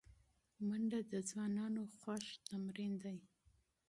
منډه د ځوانانو خوښ تمرین دی